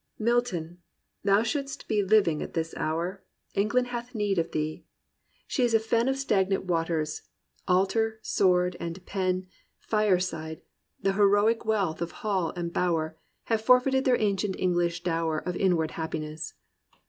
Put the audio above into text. "Milton ! thou should'st be living at this hour; England hath need of thee; she is a fen 228 THE RECOVERY OF JOY Of stagnant waters: altar, sword, and pen. Fireside, the heroic wealth of hall and bower. Have forfeited their ancient English dower Of inward happiness.